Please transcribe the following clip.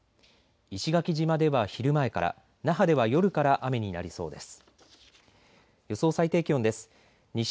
石垣島では昼前から那覇では夜から雨になりそうです。